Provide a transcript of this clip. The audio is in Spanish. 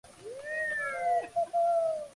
Dany Boon es igualmente músico.